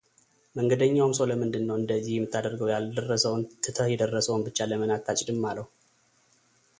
መንገደኛውም ሰው ለምንድነው እንደዚህ የምታደርገው ያልደረሰውን ትተህ የደረሰውን ብቻ ለምን አታጭድም አለው፡፡